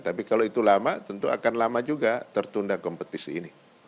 tapi kalau itu lama tentu akan lama juga tertunda kompetisi ini